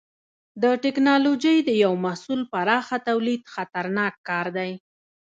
د ټېکنالوجۍ د یوه محصول پراخه تولید خطرناک کار دی.